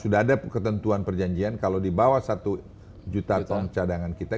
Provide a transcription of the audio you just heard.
sudah ada ketentuan perjanjian kalau di bawah satu juta ton cadangan kita